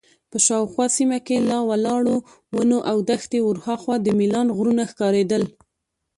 په شاوخوا سیمه کې له ولاړو ونو او دښتې ورهاخوا د میلان غرونه ښکارېدل.